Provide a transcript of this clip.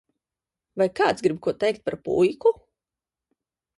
Vai kāds grib ko teikt par puiku?